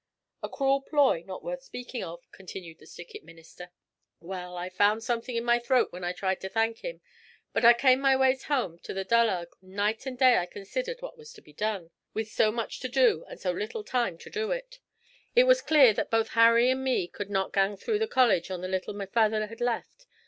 'A cruel ploy not worth speaking of,' continued the Stickit Minister. 'Well, I found something in my throat when I tried to thank him. But I came my ways home to the Dullarg, and night and day I considered what was to be done, with so much to do and so little time to do it. It was clear that both Harry and me could not gang through the college on the little my faither had left.